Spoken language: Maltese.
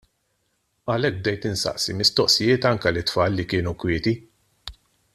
Għalhekk, bdejt nistaqsi mistoqsijiet anki lil tfal li kienu kwieti.